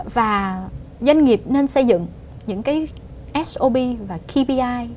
và doanh nghiệp nên xây dựng những cái sob và keyboard